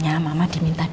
gue hampir sesuatu lagi